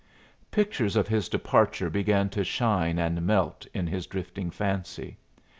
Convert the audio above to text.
Pictures of his departure began to shine and melt in his drifting fancy.